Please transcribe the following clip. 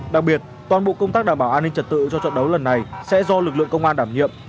đặc biệt toàn bộ công tác đảm bảo an ninh trật tự cho trận đấu lần này sẽ do lực lượng công an đảm nhiệm